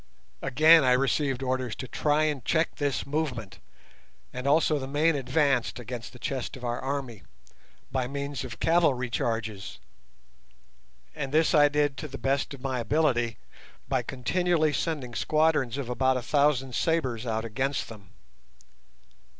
Again I received orders to try and check this movement, and also the main advance against the chest of our army, by means of cavalry charges, and this I did to the best of my ability, by continually sending squadrons of about a thousand sabres out against them.